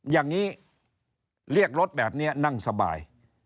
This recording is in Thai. อย่างนี้เรียกรถแบบนี้นั่งสบาย